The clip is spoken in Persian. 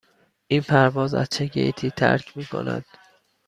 این پرواز از چه گیتی ترک می کند؟